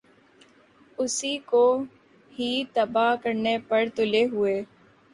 اسی کو ہی تباہ کرنے پر تلے ہوۓ ۔